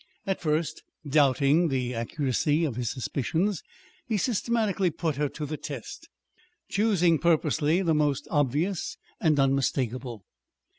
At first, doubting the accuracy of his suspicions, he systematically put her to the test, choosing purposely the most obvious and unmistakable.